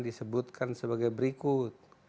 disebutkan sebagai berikut